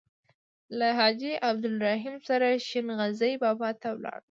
له حاجي عبدالرحیم سره شین غزي بابا ته ولاړو.